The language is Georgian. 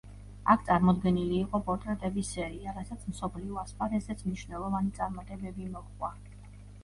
აქ წარმოდგენილი იყო პორტრეტების სერია, რასაც მსოფლიო ასპარეზზეც მნიშვნელოვანი წარმატებები მოჰყვა.